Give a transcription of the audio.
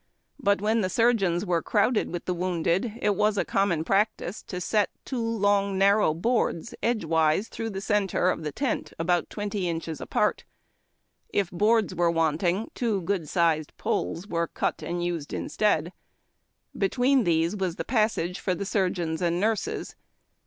But when the surgeons were crowded with the wounded, it was a common practice to set two lono narrow boards edgewise through the centre 802 II Ann TACK AND COFFEK. of tlio tent, about twenty inches a})art. If bi m Js were want ing, two good sized jjoles were cut and used instead. Be tween tliese was tlie passage for the surgeons and nurses.